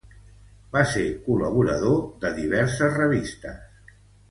Va ser col·laborador de diverses revistes.